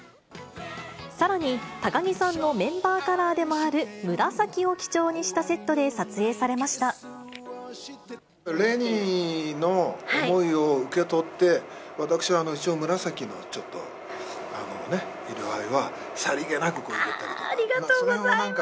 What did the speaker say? さらに、高城さんのメンバーカラーでもある紫を基調にしたセットで撮影されにの思いを受け取って、私は一応紫のちょっと色合いは、さりげなく入れたりとか。